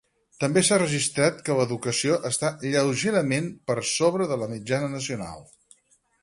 També s'ha registrat que l'educació està 'lleugerament per sobre de la mitjana nacional'.